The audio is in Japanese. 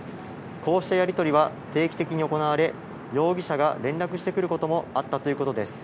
こうしたやり取りは定期的に行われ、容疑者が連絡してくることもあったということです。